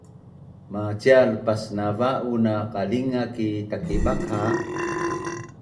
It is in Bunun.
Macial pasnava’un na qalinga ki Takibakha?